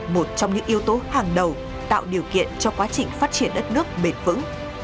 một trong những yếu tố hàng đầu tạo điều kiện cho quá trình phát triển đất nước bền vững